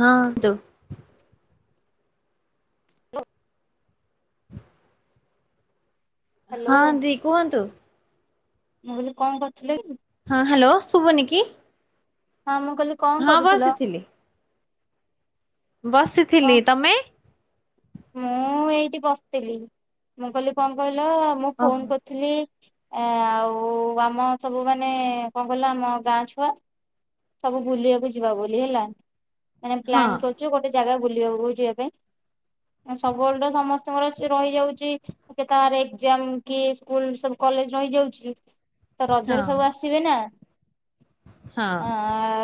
ହଁ, ତ ହଁ ହ୍ୟାଲୋ ହଁ, ଦି କୁହନ୍ତୁ ୲ ମୁଁ, ବୋଲିି କଣ, କରୁଥିଲ କି? ହଁ, ହ୍ୟାଲୋ ଶୁଭ ନି, କି? ହଁ, ମୁଁ କହିଲି କଣ, ହଁ କରୁଥିଲ? ବସିଥିଲି କଣ ବସିଥିଲି, ତମେ? ମୁଁ, ଏଇଠି ବସିଥିଲି ୲ ମୁଁ, କହିଲି କଣ, କହି ହ୍ୟାଲୋ, ମୁଁ ଓହୋ ଫୋନ କରିଥିଲି ୲ ଆଉ, ଆମ ସବୁ ମାନେ, କଣ କହିଲ? ଆମ ଗାଁ ଛୁଆ, ସବୁ ବୁଲିବାକୁ ଯିବା, ବୋଲି ହେଲା ୲ ଆମେ ହଁ ପ୍ଲାନ କରୁଛୁ, ଗୋଟେ ଜାଗା ବୁ ବୁଲିବାକୁ, ଯିବା ପାଇଁ ୲ ସବୁବେଳେ, ତ ସମସ୍ତଙ୍କର ରହିଯାଉଛି ୲ କେତେ, କାହାର ଏକଜାମ୍ କି ସ୍କୁଲ, କି, କଲେଜ ରହିଯାଉଛି ୲ ତ, ରଜରେ ହଁ ସବୁ, ଆସିବେ ନା? ହଁ,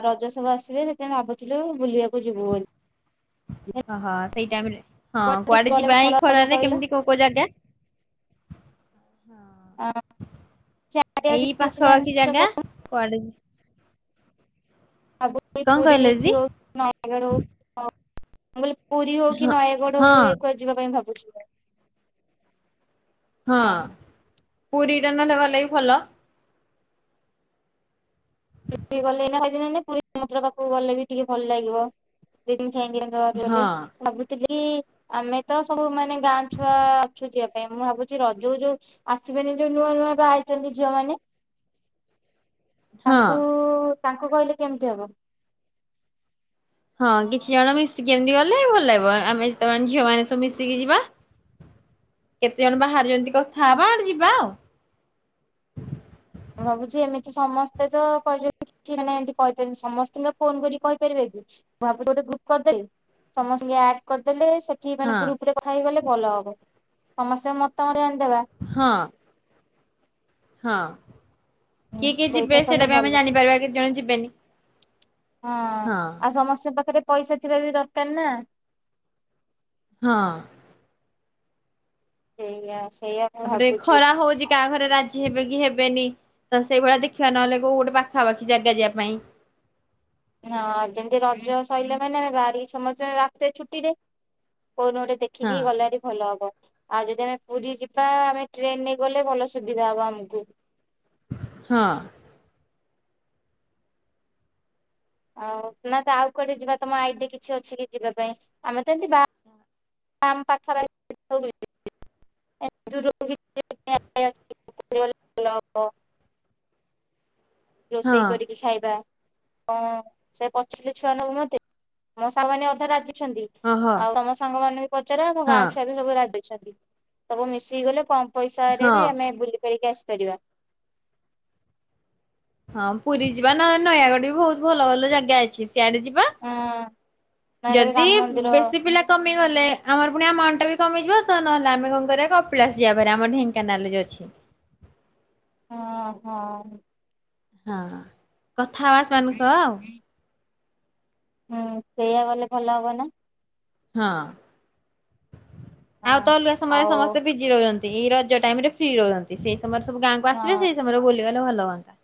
ରଜ ସବୁ ଆସିବେ, ସେଥିପାଇଁ ଭାବୁଥିଲୁ, ବୁଲିବାକୁ ଯିବୁ ବୋଲି ୲ ଓହୋ ୲ ସେଇ, ଟାଇମ୍ ରେ ହଁ, ଟିକେ କୁଆଡେ ଗଲେ ଯିବା? ଭଲ ଏଇ ହବ ଖରାରେ, କହିଲ? କେମିତି କୋଉ, କୋଉ ଜାଗା? ହଁ, ଏଇ ପାଖା, ପାଖି ଜାଗା ଭାବୁଛି କୁଆଡେ- ଆବୁ କଣ ପୁରୀ କହିଲେ ଦିଦି? କି ହଉ ନୟାଗଡ଼ ହଉ ମୁଁ, କଇଲି ପୁରୀ ହଉ, କି ହଁ ନୟାଗଡ଼ ହଉ, ହଁ ଏକୁ ଯିବା ପାଇଁ, ଭାବୁ ବୁଝ ହଁ ୲ ପୁରୀଟା, ନ ଗଲେକି, ଭଲ? [unintelligible] ପୁରୀ ସମୁଦ୍ର ପାଖକୁ ଗଲେ ବି ଟିକେ ଭଲ ଲାଗିବ ହଁ [unintelligible] ଭାବିଥିଲି କି ଆମେ ତ ସବୁ ମାନେ ଗାଁ ଛୁଆ ଅଛୁ ଯିବା ପାଇଁ। ମୁଁ ଭାବୁଛି ରଜ କୁ ଯୋଉ ଆସିବେନି ଯୋଉ ନୂଆ ନୂଆ ବାହା ହେଇଛନ୍ତି ଝିଅମାନେ ହଁ ତାଙ୍କୁ କହିଲେ କେମିତି ହବ? ହଁ କିଛି ଜଣ ମିଶିକି ଏମିତି ଗଲେ ଭଲ ଲାଗିବ। ଆମେତ ଝିଅ ମାନେ ସବୁ ମିଶିକି ଯିବା। କେତେ ଜଣ ବାହାରିଛନ୍ତି କଥା ହେବା ଯିବା ଆଉ। ମୁଁ ଭାବୁଛି ଏମିତି ସମସ୍ତେ ତ କହିଛନ୍ତି ମାନେ ଏମତି କହିଛନ୍ତି ସମସ୍ତଙ୍କ ଫୋନ କରି କହିପାରିବେ କି ମୁଁ ଭାବୁଛିି ଗୋଟେ ଗ୍ରୁପ କରିଦେଲେ ସମସ୍ତଙ୍କୁ ଆଡ କରିଦେଲେ ସେଠି ହଁ ମାନେ ଗ୍ରୁପ ରେ କଥା ହେଇଗଲେ ଭଲ ହବ ସମସ୍ତେ ମତରେ ହଁ ହଁ କିଏ କିଏ ଯିବେ ସେଇଟା କଲେ ବି ଭଲ ଆମେ ହଁ। ଜାଣିପାରିବା କେତେ ଜଣ ଯିବେନି ହଁ ଆଉ ସମସ୍ତଙ୍କ ପାଖରେ ପଇସା ଥିବା ବି ଦରକାର ନା? ହଁ [unintelligible] ତାପରେ ଭାବୁଛି। ଖରା ହଉଛି କାହା ଘରେ ରାଜି ହେବେ କି ହେ ନି ତ ସେଇ ଭଳିଆ ଦେଖିବା ନହେଲେ କୋଉ ଗୋଟେ ପାଖା ପାାଖି ଜାଗା ଯିବା ପାଇଁ ହଁ ଯେମିତି ରଜ ସରିଲା ମାନେ ଗାରି ସମସ୍ତେ [unintelligible] ଛୁଟିରେ କଉନୁ ଗୋଟେ ହଁ ଦେଖିକି ଗଲେ ବି ଭଲ ହବ। ଆଉ ଯଦି ଆମେ ପୁରୀ ଯିବା ଆମେ ଟ୍ରେନ୍ ରେ ଗଲେ ଭଲ ସୁବିଧା ହବ ଆମକୁ। ହଁ ଆଉ ନା ତ ଆଉ କୁଆଡେ ଯିବା ତମ ଆଇଡିକି କିଛି ଅଛି କି ଯିବା ପାଇଁ ଆମେ ତ ଏମିତି [unintelligible] ହଁ। ରୋଷେଇ କରିକି ଖାଇବା। ହଁ ସେ ପଚିଲେ ଛୁଆ ନଉନନ୍ତି ମୋ ସାଙ୍ଗମାନେ ଅଧା ରାଜି ଛନ୍ତି ଓହୋ ଆଉ ତମ ସାଙ୍ଗମାନେ ବି ପଚାର ଆମ ହଁ ଗାଁ ଛୁଆ ବି ସବୁ ରାଜି। [unintelligible] ସବୁ ମିଶିକି ଗଲେ କମ୍ ପଇସାରେ ହଁ। ବି ଆମେ ବୁଲି କରିକି ଆସିପାରିବା ହଁ ପୁରୀ ଯିବା ନ ନୟାଗଡ଼ ବି ବହୁତ ଭଲ ଭଲ ଜାଗା ଅଛି। ସିଆଡେ ଯିବା ହଁ ନୟାଗଡ଼ ଯଦି ରାମ ମନ୍ଦିର ବେଶୀ ପିଲା କମିଗଲେ ଆମର ପୁଣି ଆଣ୍ଟା ବି କମିଯିବ ତ ନହେଲେ ଆମେ କଣ କରିବା କପିଳାସ ଯିବା ଭାରି ଆମ ଢେଙ୍କାନାଳରେ ଯୋଉ ଅଛି। ହଁ ହଁ ହଁ କଥା ଆ [unintelligible] ସହ ଆଉ ହୁଁ ସେଇଆ ଗଲେ ଭଲ ହବ ନା? ହଁ ଆଉ ହଁ ତ ଅଲଗା ସମୟରେ ଆଉ ସମସ୍ତେ ଭିଜି ରହୁଛନ୍ତି ଏଇ ରଜ ଟାଇମ ରେ ଫ୍ରି ରୁହନ୍ତି ସେ ତମର ସବୁ ଗାଁକୁ ଆସିବ ହଁ ସେଇ ସମୟରେ ବୋଲି ଗଲେ ଭଲ ହୁଅନ୍ତା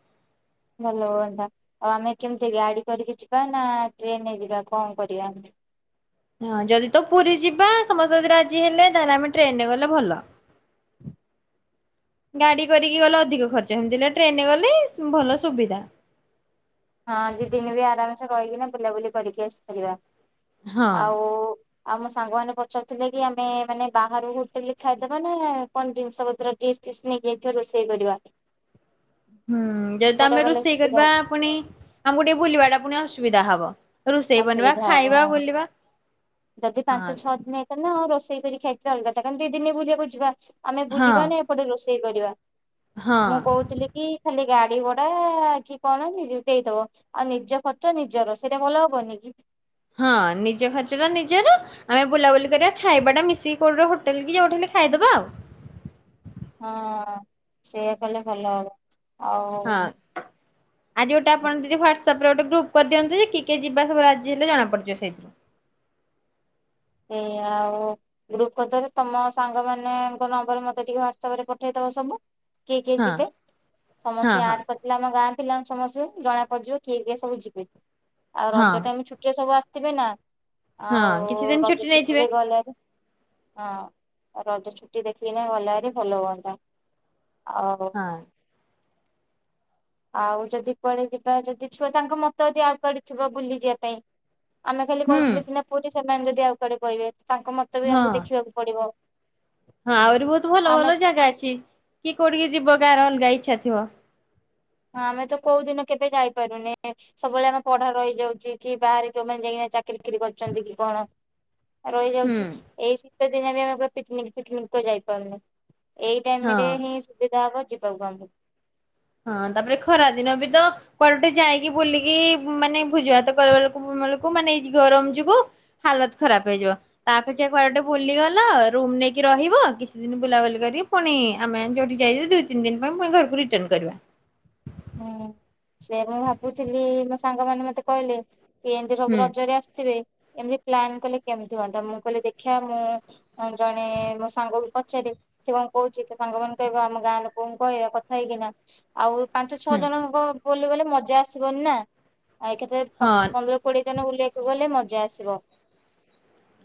ଭଲ ହୁଅନ୍ତା ଆଉ ଆମେ କେମିତି ଗାଡି କରିକି ଯିବା ନା ଟ୍ରେନ ଯିବା କଣ କରିବା ଆମେ, ହଁ ଯଦି ତ ପୁରୀ ଯିବା ସମସ୍ତେ ଯଦି ରାଜି ହେଲେ ତାହେଲେ ଆମେ ଟ୍ରେନରେ ଗଲେ ଭଲ ଗାଡି, କରିକି ଗଲେ ଅଧିକ ଖର୍ଚ୍ଚ ଏମିତି ହେଲେ ଟ୍ରେନରେ ଗଲେ ଭଲ ସୁବିଧା। ହଁ ଦି ଦିନ ବି ଆରାମସେ ରହିକିନା ବୁଲାବୁଲି କରିକି ଆସିପାରିବା, ହଁ ଆଉ ଆଉ ମୋ ସାଙ୍ଗମାନେ ପଚାରୁଥିଲେ କି ଆମେ ମାନେ ବାହାରୁ ହୋଟେଲରେ ଖାଇଦେବା ନା କଣ ଜିନିଷ ପତ୍ର ଡିସ୍ ଫିସ୍ ନେଇକ ଯାଇଥିବା ରୋଷେଇ କରିବା, ହୁଁ ଯଦି ତ କୋଉଟା ଆମେ କଲେ ରୋଷେଇ ସୁବିଧା କରିବା ହବ ପୁଣି ଆମକୁ ଟିକେ ବୁଲିବା ଟା ପୁଣି ଅସୁବିଧା ହବ, ରୋଷେଇ ବନିବା ଅସୁବିଧା ହବ ଖାଇବା ବୁଲିବା ଯଦି ପାଞ୍ଚ ହଁ। ଛଅ ଦିନ ହେଇଥାନ୍ତା ହିଁ ର ଷେଇ କରିରି ଖାଇଥିଲ ଅଲଗା ତା କ ଦି ଦିନ ବୁଲିବାକୁ ଯିବା, ଆମେ ହଁ ବୁଲିବାନ ଏପଟେ ରୋ ଷେଇ କରିବା, ହଁ ମୁଁ କହୁଥିଲି କି ଖାଲି ଗାଡି ଭଡା କି କଣ ନି ଦେଇଦବ ଆଉ ନିଜ ଖର୍ଚ ନିଜର ସେଇଟା ଭଲ ହବନି କି? ହଁ ନିଜ ଖର୍ଚ୍ଚଟା ନିଜର ଆମେ ବୁଲାବୁଲି କରିବା ଖାଇବା ଟା ମିଶିକି କୋଉଠି ହୋଟେଲ କି ଯୋଉଠି ହେଲେ ଖାଇଦବା ଆଉ, ହଁ ସେଇଆ କଲେ ଭଲ ହବ, ହଁ ଆଉ ଆଜି ଗୋଟେ ଆପଣ ଦିଦି ହ୍ୱାଟସପ୍ ରେ ଗୋଟେ ଗ୍ରୁପ କରିଦିଅନ୍ତୁ ଯେ କିଏ କିଏ ଯିବା ସବୁ ରାଜି ହେଲେ ଜଣା ପଡିଯିବ ସେଇଥିରୁ, ଏ ଆଉ ଗ୍ରୁପ କର ତମ ସାଙ୍ଗ ମାନଙ୍କ ନମ୍ବର ମତେ ଟିକେ ହ୍ଵାଟସପ ରେ ପଠେଇଦବ ସବୁ କିଏ କିଏ ହଁ ଯିବେ ହଁ ସମସ୍ତେ ହଁ ଆଡ କରିଥିଲେ ଆମ ଗାଁ ପିଲାଙ୍କୁ ସମସ୍ତେ ଜଣା ପଡିଯିବ କିଏ କିଏ ସବୁ ଯିବେ, ଆଉ ହଁ ରଜ ଟାଇମ ଛୁଟିରେ ସବୁ ଆସ ଥିବେ ନା, ହଁ ଆଉ କିଛି ଦିନ ଛୁଟି ନେଇଥିବେ ରେ ଗଲେରେ ହଁ ରଜ ଛୁଟି ଦେଖି କିନି ଗଲେ ଆରି ଭଲ ହୁଅନ୍ତା, ଆଉ ହଁ। ଆଉ ଯଦି କୁଆଡେ ଯିବା ଯଦି ଛୁଆ ତାଙ୍କ ମତ ଆଉ କୁଆଡେ ଥିବ ବୁଲିଯିବା ପାଇଁ, ଆମେ ଖାଲି ହୁଁ କହିଥିଲେ ସିନା ପୁରୀ ସେମାନେ ଯଦି ଆଉ କୁଆଡେ କହିବେ, ତାଙ୍କ ମତ ବି ହଁ ଆମକୁ ଦେଖିବାକୁ ପଡିବ, ହଁ ଆହୁରି ବହୁତ ଭଲ ଆମେ ଭଲ ଜାଗା ଅଛି କି କୋଉଠିିକି ଯିବ କାର କା ଇଛା ଥିବ, ହଁ ଆମେ ତ କୋଉ ଦିନ କେବେ ଯାଇପାରୁନି ସବୁବେଳେ ଆମେ ପଢା ରହିଇଯାଉଛି କି ବାହାରେ କେଉମାନେ ଯାଇକି ଚାକିରି କିରି କରୁଛନ୍ତି କି କଣ, ହୁଁ ରହିଯାଉଛି ଏଇ । ସେଦିନ ବି ଆମେ କୁଆଡେ ପିକନିକି ଫିକିନକ କୁ ଆଡେ ଯାଇପାରୁନେ । ଏଇ ଟାଇମ ରେ ହଁ। ହିଁ ସୁବିଧା ହବ ଯିବାକୁ ଆମକୁ । ହଁ ତାପରେ ଖରା ଦିନ ବି ତ କୁଆେଡେ ଗୋଟେ ଯାଇକି ବୁଲିକି ମାନେ ଭୋଜି ଭାତ କରିବ କରିବା ବେଳକୁ ମାନେ ଏ ଗରମ ଯୋଗୁ ହାଲତ ଖରାପ ହେଇଯିବ ତାପେକ୍ଷା କୁଆଡେ ବୁଲିଗଲ ରୁମ ନେଇକି ରହିବ କିଛି ଦିନ ବୁଲାବୁଲି କରିକି ପୁଣି ଆମେ ଯୋଉଠି ଯାଇ ଦୁଇ ତିନି ଦିନ ପାଇଁ ପୁଣି ଘରକୁ ରିଟନ କରିବା ହୁଁ ସେୟା ମୁଁ ଭାବୁଥିଲି । ସାଙ୍ଗମାନେ ମତେ କହିଲେ । ଏମତି ସବୁ ହୁଁ। ରଜରେ ଆସିଥିବେ । ଏମିତି ପ୍ଲାନ କଲେ କେମିତି ହୁଅନ୍ତା ମୁଁ କହିଲି ଦେଖିବା ମୁଁ ମୋ ଜଣେ ମୋ ସାଙ୍ଗକୁ ପଚାରେ ସେ କଣ କହୁଛି ତ ସାଙ୍ଗ ମାନଙ୍କୁ କହିବା ଆମ ଗାଁ ଲୋକଙ୍କୁ କହିବା କଥା ହେଇକିନା ଆଉ । ପାଞ୍ଚ ଛଅ ହଁ ଜଣଙ୍କ ବକି ଗଲେ ମଜା ଆସିବନି ନା । ଆଉ ଏକାଥରେ ପ ହଁ ପନ୍ଦର କୋଡିଏ । ଜଣ ବୁଲିବାକୁ ଗଲେ ମଜା ଆସିବ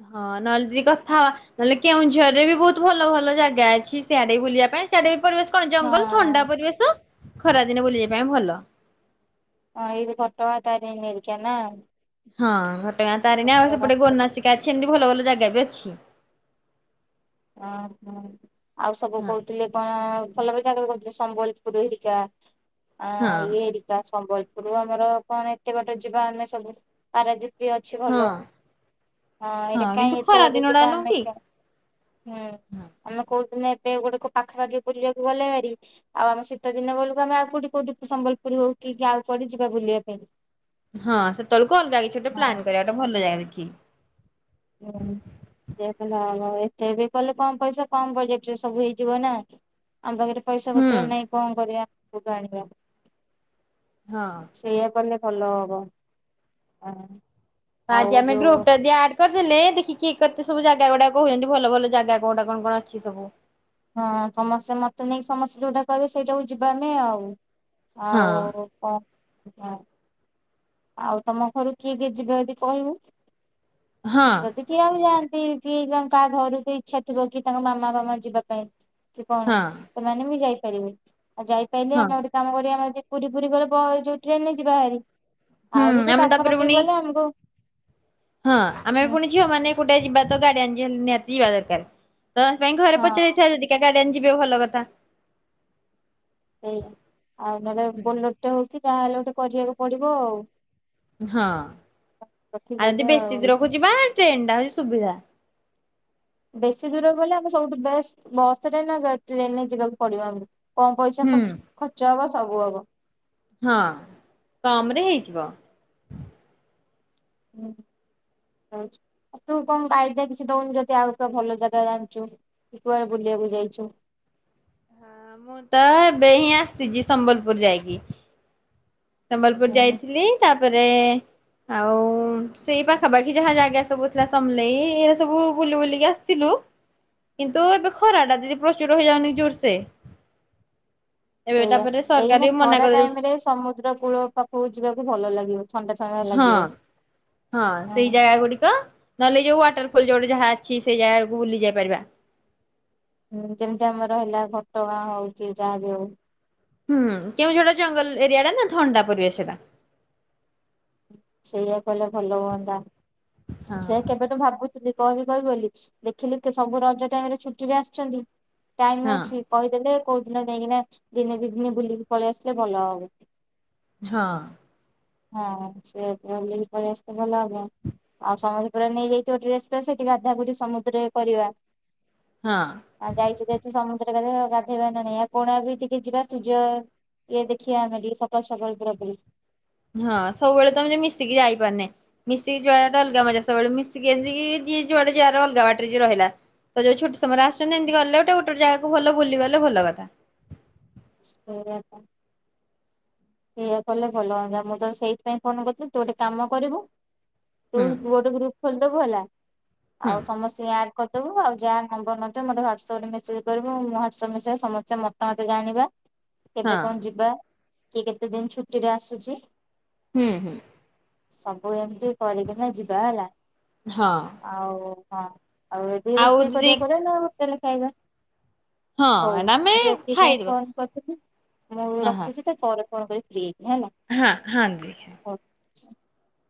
ହଁ ନହେଲେ ଦିଦି କଥା ନହେଲେ କେଉଁଝରରେ ବି ବହୁତ ଭଲ ଭଲ ଜାଗା ଅଛି ସିଆଡେ ବୁଲିବା ପାଇଁ ସିଆଡେ ବି ପରୀବେସ। କଣ ଜଙ୍ଗଲ ହଁ ଥଣ୍ଡା ପରିବେଶ ଖରା ଦିନେ ବୁଲିଯିବା ପାଇଁ ଭଲ । ହିଁ ଏଇ ଘଟ ଗାଁ ତାରିଣୀ ଘରିକା ନା । ହଁ ଘଟଗା ତାରିଣୀ ଆଉ ସେପଟେ ତାରିଣୀ। ଗୋନାସିକା ଅଛି ଏମିତି ଭଲ ଭଲ ଯାଗା ବି ଅଛି ହଁ ହଁ ଆଉ ସବୁ ହଁ। କହୁଥିଲେ କଣ ଭଲ ଭଲ ଜାଗା କହୁ ଥିଲେ ସମ୍ବଲପୁର ଏରିକା ହଁ ଏରିିକା ସମ୍ୱଲ୍ ଏକରୁ ଆମର କଣ ଏତେ ବାଟ ଯିବା ଆମେ ସବୁ ପାରାଦିପ ବି ଅଛି ଭଲ ହଁ। ହଁ ଏଇଟା କିନ୍ତୁ କାଇଁ ଏତେ ଖରା ବଟ ଦିନ ଟା ଯିବା ନୁହଁ ଆମେ କି? ହୁଁ ଆମେ କୋଉ ଦିନ ଟେ ଗୋଟେ କୋଉ ପାଖାପାଖି ବୁଲି ବାକୁ ଗଲେ ଭାରି ଆଉ ଆମ ଶୀତ ଦିନ ବେଳକୁ ଆମେ ଆଉ କଉଠି କୋଉଠି ସମ୍ବଲପୁର ହଉ କି ଆଉ କୁଆଡେ ଯିବା ବୁଲିବା ପାଇଁ । ହଁ ସେତେବେଳକୁ ଅଲଗା କିଛି ଗୋଟେ ପ୍ଲାନ କରିବା ଗୋଟେ ଭଲ ଜାଗା ଦେଖି । କି ହୁଁ ସେୟା କଲେ ହବ ଏତେ ବି କଲେ କମ ପଇସା କମ ବଜେଟ ରେ ସବୁ ହେଇଯିବ ନା । ଆମ ପାଖରେ ପଇସା ହୁଁ। ପତ୍ର ନାଇଁ କଣ କରିବା । ସୁଦ ଆଣିବା। ହଁ। ସେଇୟା କଲେ। ଭଲ ହବ ହଁ। ଆଜି ଆମେ ଗ୍ରୁପ ଟା ଆଡ କର ଦେଲେ ଦେଖିକି ଏକାଥେ ସବୁ ଜାଗା ଗୁଡା କହୁଛନ୍ତି ଭଲ ଭଲ ଜାଗା କୋଉଟା କଣ କଣ ଅଛି ସବୁ। ହଁ ସମସ୍ତେ ମତେ ନେଇକି ସମସ୍ତେ ଯୋଉଟା କହିବେ ସେଇଟାକୁ ଯିବା ଆମେ ଆଉ। ହଁ ଆଉ କ ହୁଁ ଆଉ ତମ ଘରୁ କିଏ କିଏ ଯିବେ ଯଦି କହିବୁ। ହଁ ଯଦି କିଏ ଆଉ ଯାଆନ୍ ନ୍ତି କିଏ କାହା ଘରୁ ଇଛା ଥିବ କି ତାଙ୍କ ମାମା ବାବା ଯିବା ପାଇଁ କି କଣ ହଁ ସେମାନେ ବି ଯାଇ ପାରିବେ ଆଉ ଯାଇପାଇଲେ ହଁ। ଆମେ ଗୋଟେ କାମ କରିବା ଆମେ ଯଦି ପୁରୀ ଫୁରୀ ଗଲେ [unintelligible] ଯୋଉ ଟ୍ରେନରେ ଯିବା ହରି। ହୁଁ ଆଉ ଯଦି ଆମେ ତାପରେ ପାଖାପାଖି ପୁଣି ଗଲେ ଆମକୁ ହଁ ଆମେ ବି ହୁଁ ପୁଣି ଝିଅ ମାନେ ଏକୁଟିଆ ଯିବା ତ ଗାଡିଆନ୍ ନ୍ ନିହାତି ଯିବା ଦରକାର। ତ ସେ ପାଇଁ ଘରେ ହଁ ପଚାରିଥିବା ଯଦି କା ଗାଡ୍ [unintelligible] ଯିବେ ଭଲ କଥା। ସେଇ ଆଉ ନହେଲେ ବୋଲୋର ଟା ହଉଛି ଯାହାହେଲେ ଗୋଟେ କରିବାକୁ ପଡିବ ଆଉ। ହଁ ଆଉ ଯଦି ବେଶୀ ଦୁରକୁ ଯିବା ବା ଟ୍ରେନ ଟା ହଉଛି ସୁବିଧା। ବେଶୀ ଦୂରକୁ ଗଲେ ଆମେ ସବୁଠୁ ବେଷ୍ଟ ବସ ରେ ନା ଟ୍ରେନରେ ଯିବାକୁ ପଡିବ ଆମକୁ। କମ୍ ପଇସା ହୁଁ। ଖଚ ଖର୍ଚ୍ଚ ହବ। ସବୁ ହବ। ହଁ କମରେ ହେଇଯିବ। ହୁଁ ରହୁଛି ଆଉ ତୁ କଣ ଆଇଡିଆ କିଛି ଦଉନୁ ଯଦି ଆଉ କ ଭଲ ଜାଗା ଜାଣିଛୁ କି କୁଆଡେ ବୁଲିବାକୁ ଯାଇଛୁ। ହଁ ମୁଁ ତ ଏବେ ହିଁ ଆସିଛି ସମ୍ବଲପୁର ଯାଇକି। ସମ୍ବଲପୁର ହୁଁ ଯାଇଥିଲି ତାପରେ ଆଉ ସେଇ ପାଖାପାଖି ଯାହା ଜାଗା ସବୁ ଥିଲା ସମଲେଇ ଏଇରା ସବୁ ବୁଲି ବୁଲିକି ଆସିଥିଲୁ କିନ୍ତୁ ଏବେ ଖରା ଟା ଦିଦି ପ୍ରଚୁର ହେଇଯାଉନି ଜୋରସେ। ଏବେ ଏଇଆ ତାପରେ ସରକାର ଏଇନା ବି ମନା ଖରା କରିଦେଲେ ଟାଇମ ରେ ସମୁଦ୍ର କୂଳ ପାଖକୁ ଯିବାକୁ ଭଲ ଲାଗିବ। ଥଣ୍ଡା ଥଣ୍ଡା ହଁ ଲାଗିବ। ହଁ ସେଇ ଜାଗା ଗୁଡିକ ନହେଲେ ଯୋଉ ୱାଟରଫଲ ଯୋଉଠି ଯାହା ଅଛି ସେଇ ଜାଗାକୁ ବୁଲି ଯାଇ ପାରିବା। ହୁଁ ଯେମିତି ଆମର ହେଲା । ହୁଁ କେଉଁଝରଟା ଜଙ୍ଗଲ ଏରିଆ ଟା ନା ଥଣ୍ଡା ପରିବେସଟା। ସେଇଆ କହିଲେ ଭଲ ହୁଅନ୍ତା। ହଁ ସେୟା କେବେଠୁ ଭାବୁଚି ଥିଲି କହିବି କହିବି ବୋଲି ଦେଖିଲି ସବୁ ରଜ ଟାଇମରେ ଛୁଟିରେ ଆସିଛନ୍ତି । ଟାଇମ ହଁ ଅଛି କହିଦେଲେ । କଉ ଦିନ ଯାଇକିନା ଦିନେ ଦି ଦିନେ ବୁଲିକି ପଳେଇ ଆସିଲେ ଭଲ ହେବ । ହଁ । ହଁ ସେୟା କଲେ ବୁଲିକି ପଲେଇ ଆସିଲେ ଭଲ ହେବଥାଆନ୍ତା । ଆଉ ସମସ୍ତେ ପୁରା ନେଇଯାଇଥିବ ଡ୍ରେସ୍ ଫ୍ରେସ ସେଠି ଗାଧା ଗୁଧି ସମୁଦ୍ରରେ କରିବା ହଁ। । ହଁ ଯାଇଚି ଯାଇଛି ସମୁ । ଗାଧେଇବା ନା ନାଇଁ ଆଉ କୋଣାର୍କ ବି ଟିକେ ଯିବା ସୂର୍ଯ୍ୟ ଇଏ ଦେଖିବା ଆମେ ଟିକେ ସକାଳ ସକାଳ ପୁର ପୁ । ହଁ ସବୁବେଳେ ତମେ ତ ମିଶିକି ଯାଇପାରୁନେ ମିଶିକି ଯିବାଟା ଅଲଗା ମଜା ସବୁବେଳେ ମିଶିକି ଏମିତି କି ଯିଏ ଯୁଆଡେ ଯାର ଅଲଗା ବାଟରେ ଯିଏ ରହିଲା ତ ଯୋଉ ଛୁଟି ସ ତମର ଆସଛନ୍ତି ଏମତି ଗଲେ ଗୋଟେ ଗୋଟେ ଜାଗା । ଭଲ ବୁଲି ଗଲେ ଭଲ କଥା । ସେଇଆ ତ ସେୟା କଲେ ଭଲ ହୁଅନ୍ତା ମୁଁ ତ ସେଇଥିପାଇଁ ଫୋନ କରିଥିଲି ତୁ ଗୋଟେ କାମ କରିବୁ । ହୁଁ ତୁ ଗୋଟ ଗ୍ରୁପ ଖୋଲି ଦବୁ ହେଲା । ହୁଁ ଆଉ ସମସ୍ତି ଙ୍କୁ ଆଡ଼୍ କରିଦବୁ ଆଉ ଯାହା ନମ୍ବର ନଥିବ ମୋଟେ ହ୍ୱାଟସପ ରେ ମେସେଜ କରିବୁ ମୁଁ ହ୍ୱାଟସଆପ୍ ମେସେଜ ସମସ୍ତଙ୍କ ମତ ମତ ଜାଣିବା । କେବେ ହଁ କଣ ଯିବା । କିଏ କେତେ ଦିନ ଛୁଟି ରେ ଆସୁଚି । ହୁଁ ହୁଁ । ସବୁ ଏମତି । ସେ କରିକିନା ଯିବା ହେଲା ହଁ ଆଉ । ହଁ । ଆଉ ଏଠି ରୋଷେଇ କରିବା କରିବା ନା ହେଲେ । ହୋଟେଲ ରେ ଖାଇବା । ହଁ ନା ଆମେ ଖାଇଦେବା । [unintelligible] ମୁଁ ରଖୁଚି ତୁ ପରେ କଣ କହିଥିଲି । ହାଁ ହାଁ ଯି ହାଁ । [unintelligible]